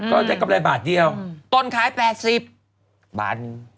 ได้กำไรบาทเดียวต้นขาย๘๐บาท